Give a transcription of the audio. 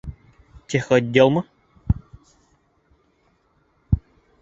Техотделмы?